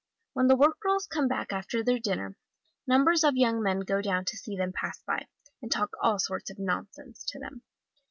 When the work girls come back after their dinner, numbers of young men go down to see them pass by, and talk all sorts of nonsense to them.